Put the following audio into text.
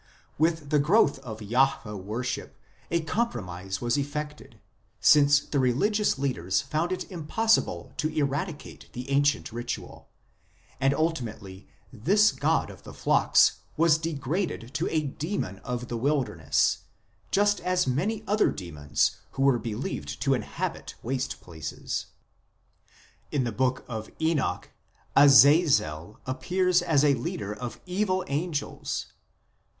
With the growth of Jahwe worship a compromise was effected, since the religious leaders found it impossible to eradicate the ancient ritual ; and ultimately this god of the flocks was degraded to a demon of the wilderness just as many other demons who were believed to inhabit waste places. In the Book of Enoch Azazel appears as a leader of evil angels (vi.